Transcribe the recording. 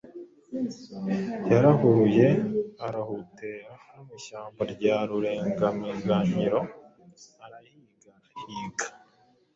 Yarahuruye arahutera no mu ishyamba rya Rurengamiganyiro arahiga arahiga;